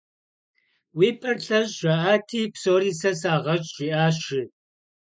«Уи пэр лъэщӏ» жаӏати, «Псори сэ сагъэщӏ» жиӏащ, жи.